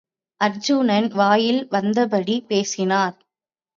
அர்ச்சுனன், வாயில் வந்தபடி பேசினார்.